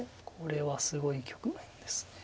これはすごい局面です。